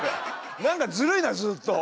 何かずるいなずっと！